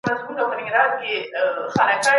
مځکه د انسان د ژوند کولو اصلي ځای دی.